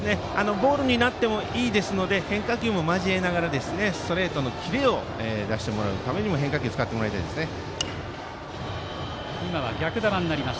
ボールになってもいいですので変化球も交えながらストレートのキレを出してもらうためにも変化球を使ってもらいたいですね。